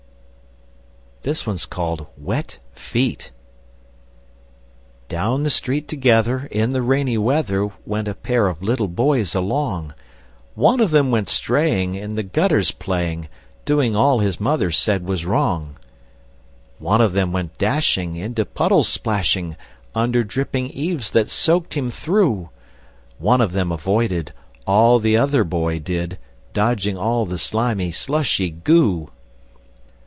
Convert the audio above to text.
[Illustration: Wet Feet] WET FEET Down the street together, In the rainy weather, Went a pair of little boys along; One of them went straying In the gutters playing, Doing all his mother said was wrong; One of them went dashing Into puddles splashing, Under dripping eaves that soaked him through; One of them avoided All the other boy did, Dodging all the slimy, slushy goo.